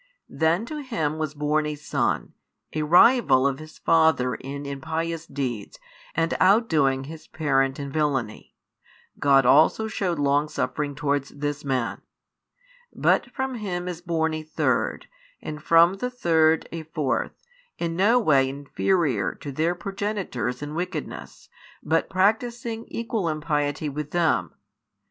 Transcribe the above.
Then to him was born a son, a rival of his father in impious deeds and outdoing his parent in villainy: God also shewed longsuffering towards this man. But from him is born a third, and from the third a fourth, in no way inferior to their progenitors in wickedness, but practising equal impiety with them.